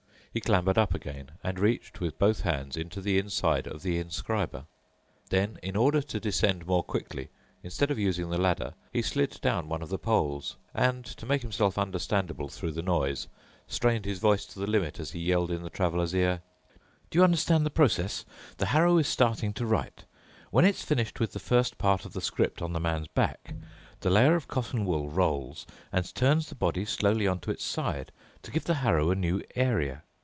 He clambered up again and reached with both hands into the inside of the inscriber. Then, in order to descend more quickly, instead of using the ladder, he slid down on one of the poles and, to make himself understandable through the noise, strained his voice to the limit as he yelled in the traveler's ear, "Do you understand the process? The harrow is starting to write. When it's finished with the first part of the script on the man's back, the layer of cotton wool rolls and turns the body slowly onto its side to give the harrow a new area.